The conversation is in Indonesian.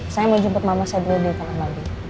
saya mau jemput mama saya dulu di telang mali